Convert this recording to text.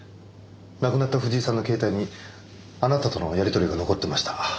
亡くなった藤井さんの携帯にあなたとのやり取りが残ってました。